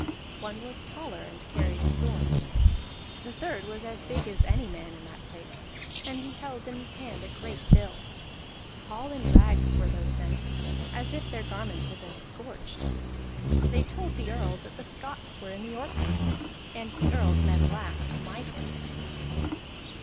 One was taller, and carried a sword. The third was as big as any man in that place, and he held in his hand a great bill. All in rags were those men, as if their garments had been scorched. They told the Earl that the Scots were in the Orkneys, and the Earl's men laughed mightily.